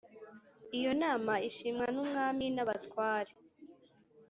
Iyo nama ishimwa n’umwami n’abatware